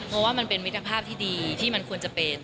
โมว่ามันเป็นวิทยาภาพที่ดีที่มันควรจะเป็น